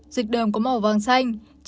dịch đờm có màu vàng xanh